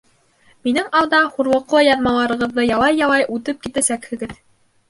Минең алда хурлыҡлы яҙмаларығыҙҙы ялай-ялай, үтеп китәсәкһегеҙ.